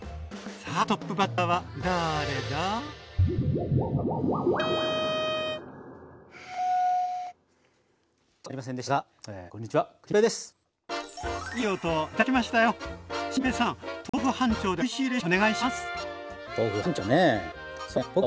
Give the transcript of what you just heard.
さあトップバッターはだれだ？